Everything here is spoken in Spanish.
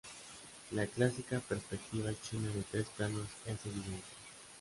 La clásica perspectiva china de tres planos es evidente.